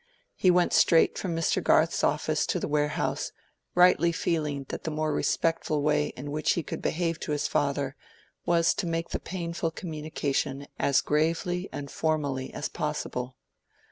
He went straight from Mr. Garth's office to the warehouse, rightly feeling that the most respectful way in which he could behave to his father was to make the painful communication as gravely and formally as possible.